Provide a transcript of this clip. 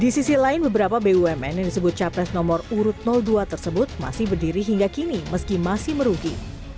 di sisi lain beberapa bumn yang disebut capres nomor urut dua tersebut masih berdiri hingga kini meski masih merugi